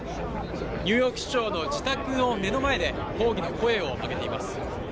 ニューヨーク市長の自宅の目の前で抗議の声を上げています。